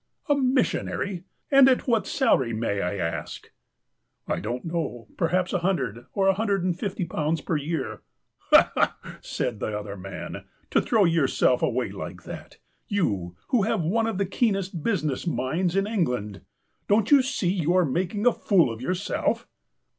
"A missionary ! And at what salary may I ask ?"'' I don't know. Perha^js a hundred or a hundred and fifty pounds per year." "Ha, ha," said the other man. "To throw yourself away like that. You, who have one of the keenest busi ness minds in England. Don't you see you are making a fool of yourself?"